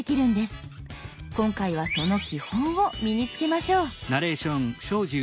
今回はその基本を身に付けましょう。